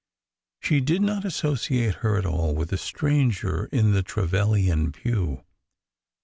She did not associate her at all with the stranger in the Trevilian pew.